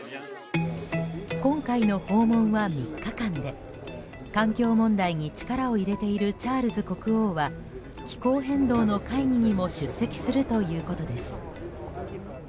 今回の訪問は３日間で環境問題に力を入れているチャールズ国王は気候変動の会議にも出席するということです。